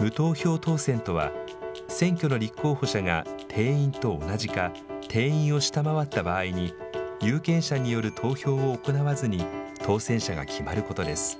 無投票当選とは、選挙の立候補者が定員と同じか定員を下回った場合に、有権者による投票を行わずに、当選者が決まることです。